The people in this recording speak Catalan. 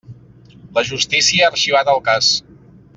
La justícia ha arxivat el cas.